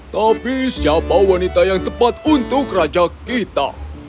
tapi siapa wanita yang tepat untuk raja kita